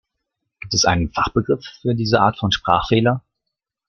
Gibt es einen Fachbegriff für diese Art von Sprachfehler?